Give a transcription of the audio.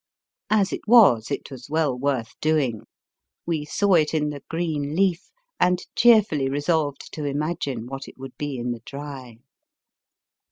As it was, it was well worth doing. We saw it in the green leaf, and cheerfully resolved to imagine what it would be in the dry.